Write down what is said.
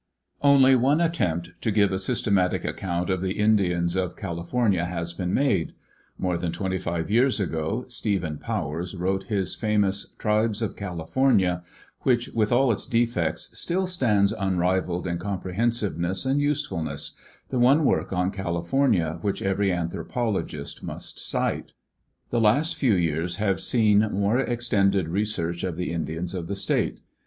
Only one attempt to give a systematic account of the Indians of California has been made. More than twenty five years ago Stephen Powers wrote his famous Tribes of California, which with all its defects still stands unrivalled in comprehensiveness and usefulness, the one work on California which every anthrop ologist must cite. The last few years have seen more extended research of the Indians of the state.